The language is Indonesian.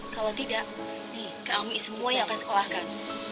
kalau tidak kami semua yang akan sekolahkan